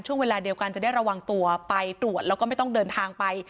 ช่วงเวลาเดียวกันจะได้ระวังตัวไปตรวจแล้วก็ไม่ต้องเดินทางไป